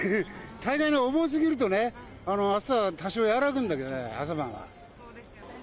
大概、お盆過ぎるとね、暑さ、多少和らぐんだけどね、朝晩は。